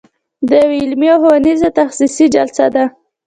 دا یوه علمي او ښوونیزه تخصصي جلسه ده.